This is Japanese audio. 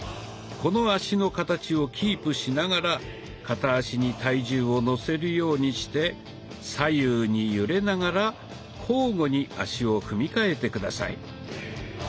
この足の形をキープしながら片足に体重をのせるようにして左右に揺れながら交互に足を踏みかえて下さい。